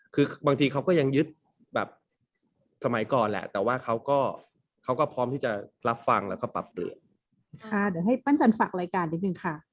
คือบางทีเขาก็ยังยึดแบบสมัยก่อนแหละแต่ว่าเขาก็พร้อมที่จะรับฟังแล้วก็ปรับเรื่อง